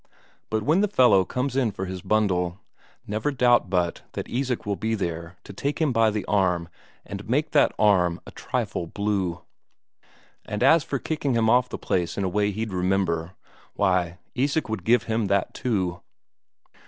But when the fellow comes for his bundle, never doubt but that Isak will be there to take him by the arm and make that arm a trifle blue. And as for kicking him off the place in a way he'd remember why, Isak would give him that too!